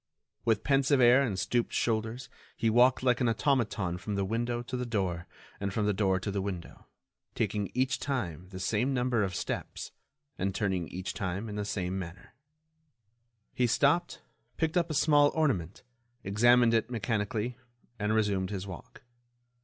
With pensive air and stooped shoulders, he walked like an automaton from the window to the door and from the door to the window, taking each time the same number of steps, and turning each time in the same manner. He stopped, picked up a small ornament, examined it mechanically, and resumed his walk.